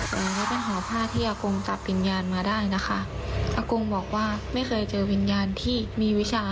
ตอนนี้ไปห่อผ้าที่อากงจับวิญญาณมาได้นะคะอากงบอกว่าไม่เคยเจอวิญญาณที่มีวิชา